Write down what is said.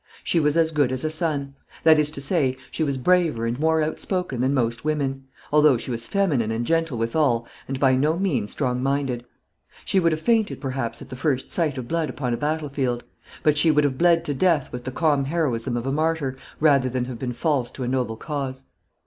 She was as good as a son; that is to say, she was braver and more outspoken than most women; although she was feminine and gentle withal, and by no means strong minded. She would have fainted, perhaps, at the first sight of blood upon a battle field; but she would have bled to death with the calm heroism of a martyr, rather than have been false to a noble cause.